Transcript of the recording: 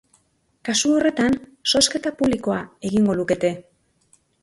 Kasu horretan, zozketa publikoa egingo lukete.